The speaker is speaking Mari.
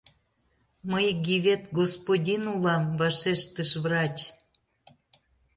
— Мый Гивет господин улам, — вашештыш врач.